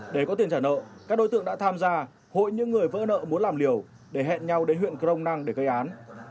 để có tiền trả nợ các đối tượng đã tham gia hội những người vỡ nợ muốn làm liều để hẹn nhau đến huyện crong năng để gây án